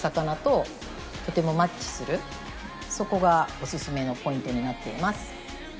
そこがお薦めのポイントになっています。